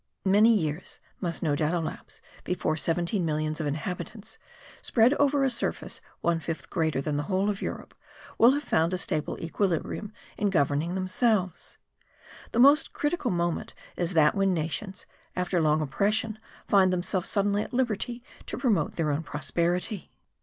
Many years must no doubt elapse before seventeen millions of inhabitants, spread over a surface one fifth greater than the whole of Europe, will have found a stable equilibrium in governing themselves. The most critical moment is that when nations, after long oppression, find themselves suddenly at liberty to promote their own prosperity.